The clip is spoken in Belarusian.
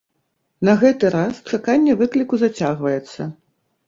На гэты раз чаканне выкліку зацягваецца.